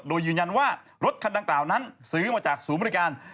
โดยยืนยันว่ารถคันดังกล่าวนั้นซื้อมาจากศูนย์บริการ